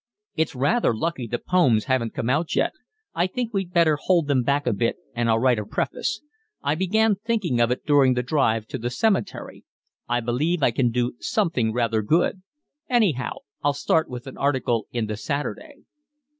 "It's rather lucky the poems haven't come out yet. I think we'd better hold them back a bit and I'll write a preface. I began thinking of it during the drive to the cemetery. I believe I can do something rather good. Anyhow I'll start with an article in The Saturday."